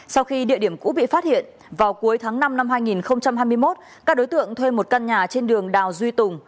sau khi địa điểm cũ bị phát hiện vào cuối tháng năm năm hai nghìn hai mươi một các đối tượng thuê một căn nhà trên đường đào duy tùng